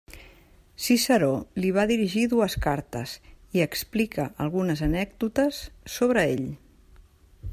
Ciceró li va dirigir dues cartes, i explica algunes anècdotes sobre ell.